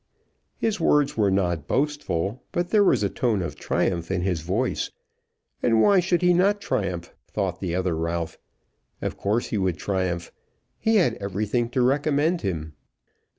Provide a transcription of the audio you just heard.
His words were not boastful, but there was a tone of triumph in his voice. And why should he not triumph? thought the other Ralph. Of course he would triumph. He had everything to recommend him.